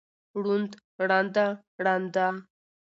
ړوند، ړنده، ړانده